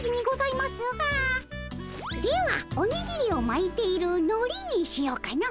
では「おにぎりをまいているのり」にしようかの。